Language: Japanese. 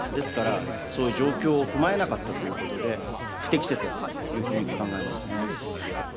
そういう状況を踏まえなかったということで不適切だと考えますね。